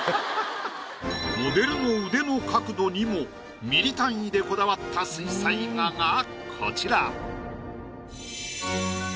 モデルの腕の角度にもミリ単位でこだわった水彩画がこちら。